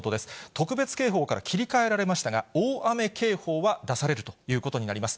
特別警報から切り替えられましたが、大雨警報は出されるということになります。